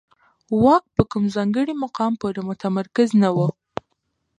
واک په کوم ځانګړي مقام پورې متمرکز نه و.